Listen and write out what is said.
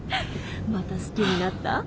また好きになった？